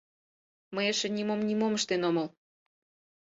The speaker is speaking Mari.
— Мый эше нимом-нимом ыштен омыл!